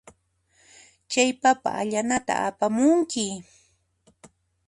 Chay papa allanata apamunki.